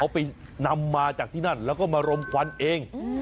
เขาไปนำมาจากที่นั่นแล้วก็มารมพันธุ์เอง